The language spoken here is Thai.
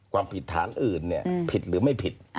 ความผิดฐานอื่นผิดหรือไม่ผิด